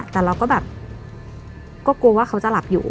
แต่เราก็แบบก็กลัวว่าเขาจะหลับอยู่